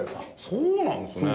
そうなんですね。